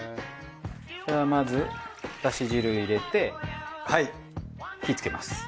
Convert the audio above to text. まずだし汁入れて火つけます。